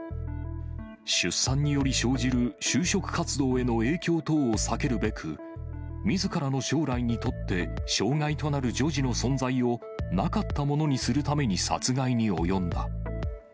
出産により生じる就職活動への影響等を避けるべく、みずからの将来にとって障害となる女児の存在をなかったものにするために殺害に及んだ。